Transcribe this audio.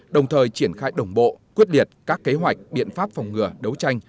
đồng thời triển khai đồng bộ quyết liệt các kế hoạch biện pháp phòng ngừa đấu tranh